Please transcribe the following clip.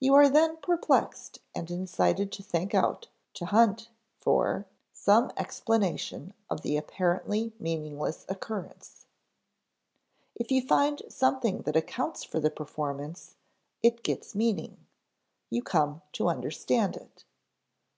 You are then perplexed and incited to think out, to hunt for, some explanation of the apparently meaningless occurrence. If you find something that accounts for the performance, it gets meaning; you come to understand it.